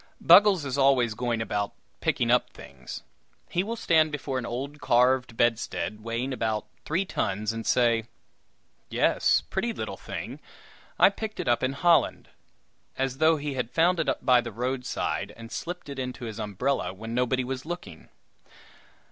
Buggles is always going about "picking up" things. He will stand before an old carved bedstead, weighing about three tons, and say: "Yes pretty little thing! I picked it up in Holland;" as though he had found it by the roadside, and slipped it into his umbrella when nobody was looking!